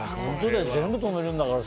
全部止めるんだから。